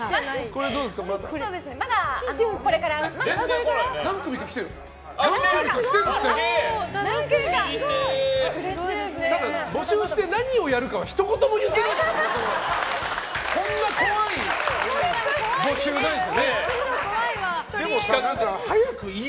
でも、募集して何をやるかはひと言も言ってない。